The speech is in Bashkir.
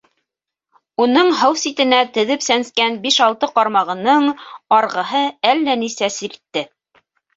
Уның һыу ситенә теҙеп сәнскән биш-алты ҡармағының арғыһы әллә нисә сиртте.